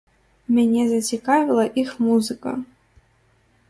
Мяне зацікавіла іх музыка.